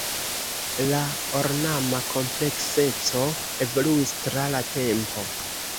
La ornama komplekseco evoluis tra la tempo.